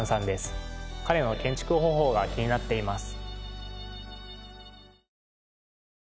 彼の建築方法が気になっています。